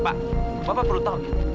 pak bapak perlu tahu